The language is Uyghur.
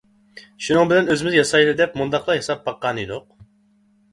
شۇنىڭ بىلەن ئۆزىمىز ياسايلى دەپ مۇنداقلا ياساپ باققانىدۇق.